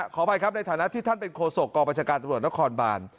ขออภัยครับในฐานะที่ท่านเป็นโคศกกองประชาการตำรวจนครบาน